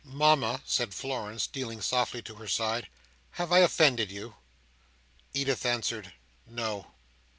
"Mama," said Florence, stealing softly to her side, "have I offended you?" Edith answered "No."